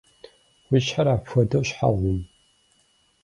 Уи щхьэр апхуэдэу щхьэ гъум?